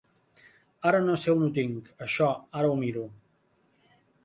Ara no sé on ho tinc, això, ara ho miro.